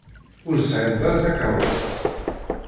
Ur sɛint ara takeṛṛust.